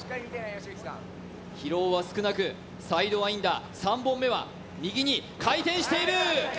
疲労は少なく、サイドワインダー３本目は右に回転している。